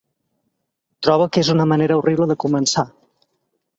Troba que és una manera horrible de començar.